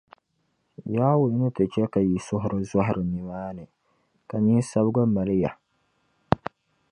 Yawɛ ni ti chɛ ka yi suhuri zɔhira nimaani, ka ninsabiga mali ya.